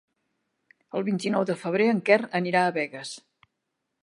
El vint-i-nou de febrer en Quer anirà a Begues.